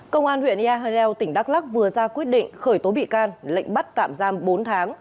công an huyện ea hà nèo tỉnh đắk lắc vừa ra quyết định khởi tố bị can lệnh bắt tạm giam bốn tháng